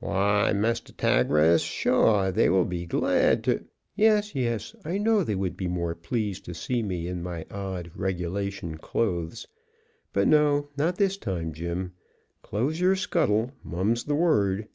"Why, Mistah 'Tagras, shuah dey will be glad to " "Yes, yes, I know they would be more pleased to see me in my odd regulation clothes; but no, not this time, Jim; close your scuttle mum's the word.